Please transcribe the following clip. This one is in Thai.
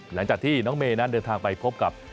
หลังจากที่น้องเมย์นั้นเดินทางไปพบกับ